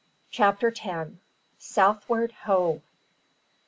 Chapter 10: Southward Ho!